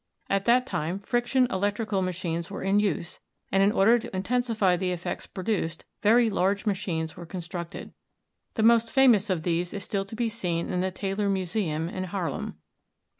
At that time friction electrical machines were in use, and in order to intensify the effects produced, very large machines were constructed. The most famous of these is still to be seen in the Teyler Museum in Haar lem.